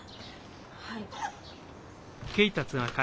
はい。